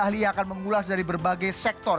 ahli yang akan mengulas dari berbagai sektor